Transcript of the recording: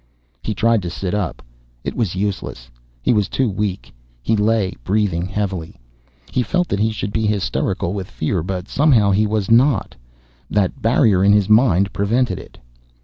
He tried to sit up. It was useless, he was too weak. He lay, breathing heavily. He felt that he should be hysterical with fear but somehow he was not, that barrier in his mind prevented it.